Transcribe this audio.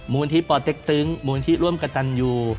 มูลที่ปเต็กตึงมูลที่ร่วมกระตันยู